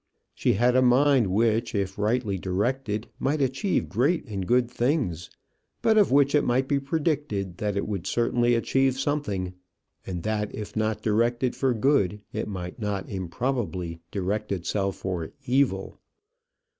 She had a mind which, if rightly directed, might achieve great and good things, but of which it might be predicted that it would certainly achieve something, and that if not directed for good, it might not improbably direct itself for evil.